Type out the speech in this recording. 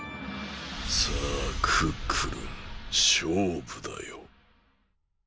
さあクックルンしょうぶだよ。